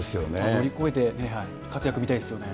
乗り超えて、活躍見たいですよね。